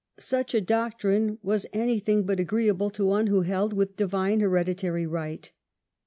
Such a doctrine was anything but agreeable to one who held with "divine hereditary right".